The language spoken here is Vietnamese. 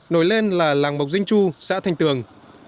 nổi lên là làng mộc dinh chu xã thanh tường